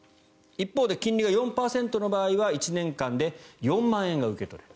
一方で金利が４％の場合は１年間で４万円が受け取れる。